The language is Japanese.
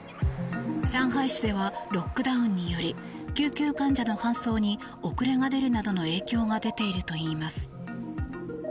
上海市ではロックダウンにより救急患者の搬送に遅れが出るなどの影響が出ているといいます。